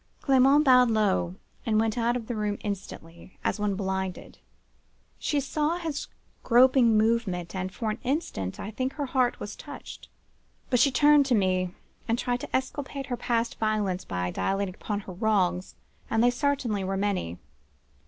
"Clement bowed low, and went out of the room instantly, as one blinded. She saw his groping movement, and, for an instant, I think her heart was touched. But she turned to me, and tried to exculpate her past violence by dilating upon her wrongs, and they certainly were many.